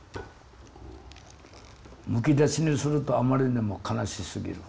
むき出しにするとあまりにも悲しすぎる。